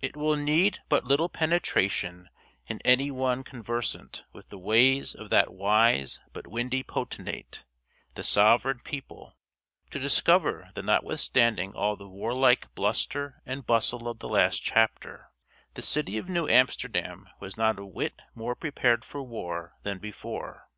It will need but little penetration in any one conversant with the ways of that wise but windy potentate, the sovereign people, to discover that not withstanding all the warlike bluster and bustle of the last chapter, the city of New Amsterdam was not a whit more prepared for war than before.